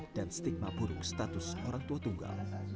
dan stigma buruk status orang tua tunggal